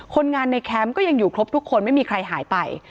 คนงานในแคมป์ก็ยังอยู่ครบทุกคนไม่มีใครหายไป